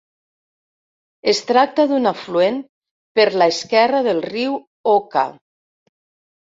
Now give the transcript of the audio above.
Es tracta d"un afluent per la esquerra del riu Oka.